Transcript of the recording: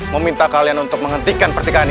meminta kalian untuk menghentikan pertikaian ini